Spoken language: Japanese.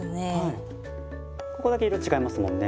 ここだけ色違いますもんね。